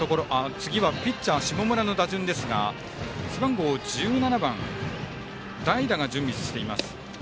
次はピッチャーの下村の打順ですが背番号１７番代打が準備しています。